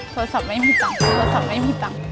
โทรศัพท์ไม่มีตังค์ซื้อโทรศัพท์ไม่มีตังค์